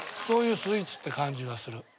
そういうスイーツって感じがする。